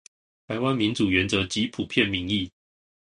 臺灣民主原則及普遍民意